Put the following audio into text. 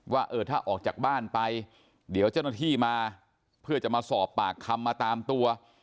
ว่าเออถ้าออกจากบ้านไปเดี๋ยวเจ้าหน้าที่มาเพื่อจะมาสอบปากคำมาตามตัว